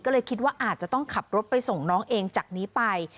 ก็เลยคิดว่าอาจจะต้องขับรถไปส่งน้องเองจากนี้ไป